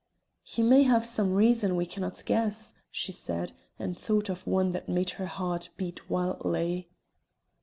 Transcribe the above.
"He may have some reason we cannot guess," she said, and thought of one that made her heart beat wildly.